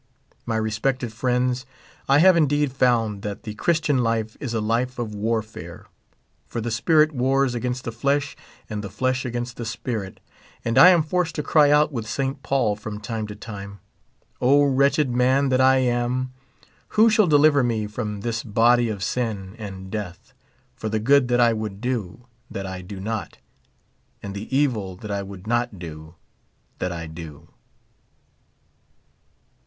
My respected friends, I have indeed found that theJChris tian life is a life of w^arfare ; for the spirit wars against the flesh, and the flesh against the spirit; and I am forced to cry out with St. Paul, from time to trnie, "O, wretched man that I am ! who shall deliver me from this body of sin and death ! for the good that I would do, that I do not ; and the evil that I would not do, that I do